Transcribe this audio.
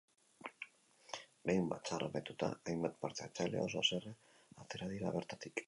Behin batzarra amaituta, hainbat partehartzaile oso haserre atera dira bertatik.